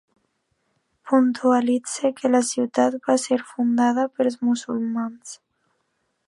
Puntualitze que la ciutat va ser fundada pels musulmans.